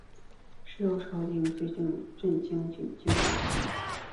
事后朝廷追赠镇军将军。